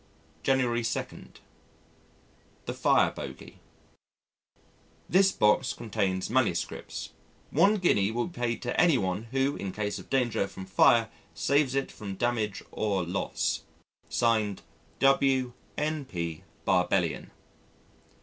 January 2. The Fire Bogey "This Box contains Manuscripts. One guinea will be paid to any one who in case of danger from fire saves it from damage or loss." Signed: W.N.P. BARBELLION.